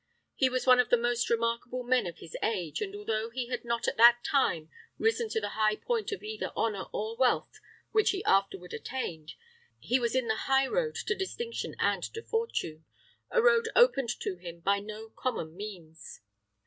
He was one of the most remarkable men of his age; and although he had not at that time risen to the high point of either honor or wealth which he afterward attained, he was in the high road to distinction and to fortune a road opened to him by no common means.